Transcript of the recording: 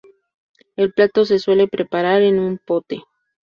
El plato se suele preparar en un pote.